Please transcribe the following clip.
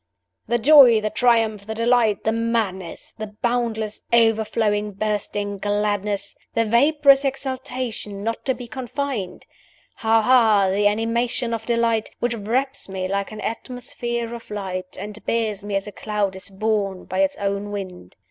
"'The joy, the triumph, the delight, the madness! the boundless, overflowing, bursting gladness! the vaporous exultation not to be confined! Ha! ha! the animation of delight, which wraps me like an atmosphere of light, and bears me as a cloud is borne by its own wind.